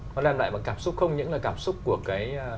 nó đem lại một cảm xúc không những là cảm xúc của cái